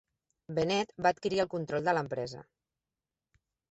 Bennet va adquirir el control de l'empresa.